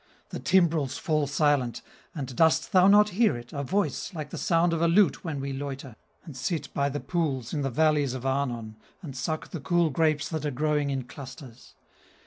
"The timbrels fall silent! And dost thou not hear it, A voice, like the sound of a lute when we loiter, And sit by the pools in the valleys of Arnon, And suck the cool grapes that are growing in clusters?